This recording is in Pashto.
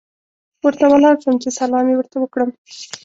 ورته ولاړ شوم چې سلام یې ورته وکړم.